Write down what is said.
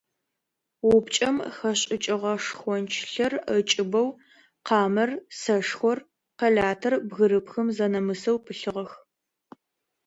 Упкӏэм хэшӏыкӏыгъэ шхончылъэр ыкӏыбэу, къамэр, сэшхор, къэлатыр бгырыпхым зэнэмысэу пылъыгъэх.